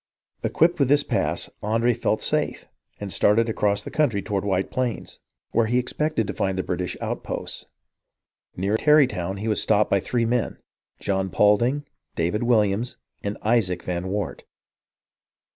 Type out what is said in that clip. Equipped with this pass, Andre felt safe, and started across the country toward White Plains, where he expected to find the British outposts. Near Tarrytown, he was stopped by three men, John Paulding, David Williams, and Isaac van Wart.